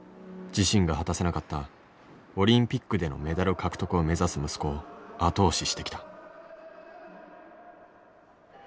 自身が果たせなかったオリンピックでのメダル獲得を目指す息子を後押ししてきた。